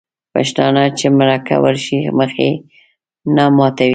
پښتانه چې مرکه ورشي مخ یې نه ماتوي.